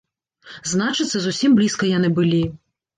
Значыцца, зусім блізка яны былі.